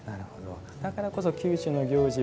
だからこそ宮中の行事